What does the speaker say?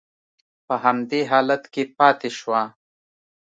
په همدې حالت کې پاتې شوه.